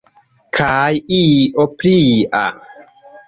Kaj io plia.